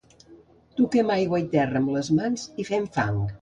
—Toquem aigua i terra amb les mans, i fem fang.